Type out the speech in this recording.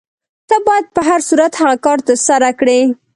ته باید په هر صورت هغه کار ترسره کړې.